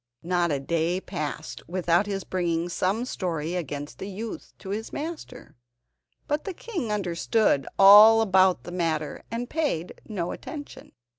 Not a day passed without his bringing some story against the youth to his master, but the king understood all about the matter and paid no attention.